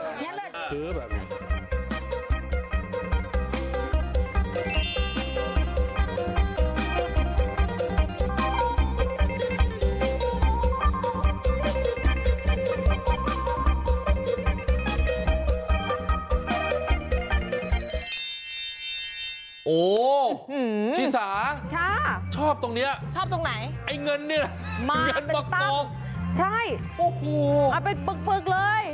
โอ้ชิสาชอบตรงนี้ชอบตรงไหนไอ้เงินเนี่ยมากมองใช่โอ้โหเอาเป็นเปลือกเลย